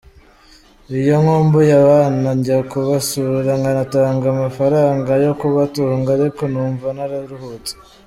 Iyo nkumbuye abana njya kubasura nkanatanga amafaranga yo kubatunga ariko numva nararuhutse !”.